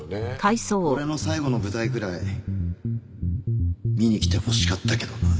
俺の最後の舞台ぐらい見に来てほしかったけどな。